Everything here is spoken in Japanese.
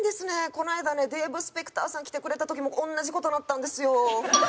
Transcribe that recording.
この間ねデーブ・スペクターさん来てくれた時も同じ事なったんですよ。